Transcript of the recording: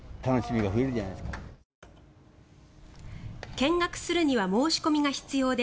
見学するには申し込みが必要で